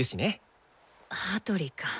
羽鳥か。